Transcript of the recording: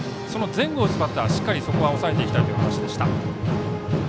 前後を打つバッターをしっかりそこを抑えていきたいという話でした。